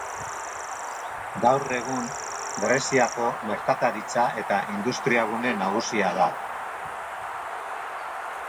Gaur egun, Greziako merkataritza eta industriagune nagusia da.